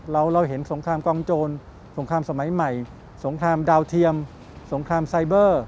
เราเห็นสงครามกองโจรสงครามสมัยใหม่สงครามดาวเทียมสงครามไซเบอร์